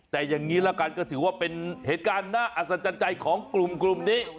แต่อย่างนี้ละกันก็ถือว่าเป็นเหตุการณ์น่าอัศจรรย์ใจของกลุ่มนี้